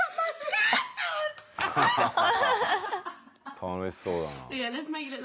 楽しそうだな。